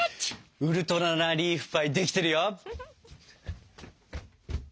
ウルトラなリーフパイできてるよ！